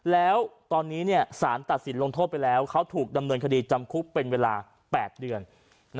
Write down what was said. แล้วตอนนี้สารตัดสินลงโทษไปแล้วเขาถูกดำเนินคดีจำคุกเป็นเวลา๘เดือน